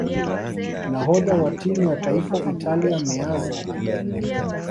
nahodha wa timu ya taifa Italia meazza aliendelea